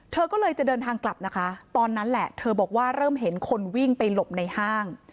เธอก็เลยจะเดินทางกลับนะคะตอนนั้นแหละเธอบอกว่าเริ่มเห็นคนวิ่งไปหลบในห้าง